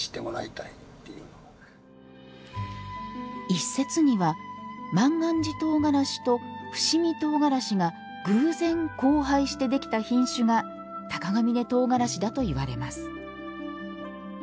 一説には万願寺とうがらしと伏見とうがらしが偶然交配してできた品種が鷹峯とうがらしだといわれます。